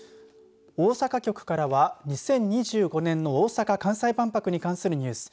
大阪局からは２０２５年の大阪・関西万博に関するニュース。